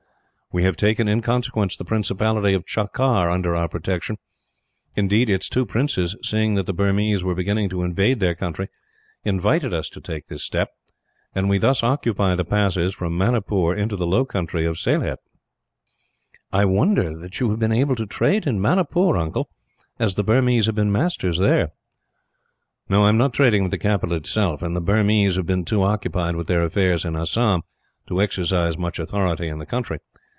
We have taken, in consequence, the principality of Cachar under our protection indeed its two princes, seeing that the Burmese were beginning to invade their country, invited us to take this step and we thus occupy the passes from Manipur into the low country of Sylhet." "I wonder that you have been able to trade in Manipur, uncle, as the Burmese have been masters there." "I am not trading with the capital itself, and the Burmese have been too occupied with their affairs in Assam to exercise much authority in the country.